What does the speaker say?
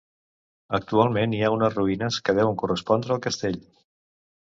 Actualment hi ha unes ruïnes que deuen correspondre al castell.